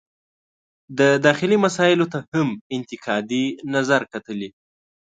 د داخلي مسایلو ته هم انتقادي نظر کتلي.